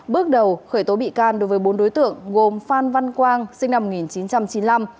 bước đầu khởi tố bị can đối với bốn đối tượng gồm phan văn quang sinh năm một nghìn chín trăm chín mươi năm